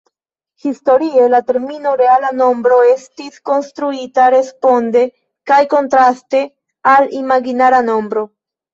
Historie la termino "reala nombro" estis konstruita responde kaj kontraste al imaginara nombro.